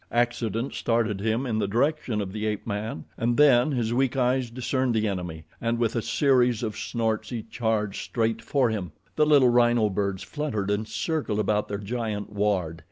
Accident started him in the direction of the ape man, and then his weak eyes discerned the enemy, and with a series of snorts he charged straight for him. The little rhino birds fluttered and circled about their giant ward.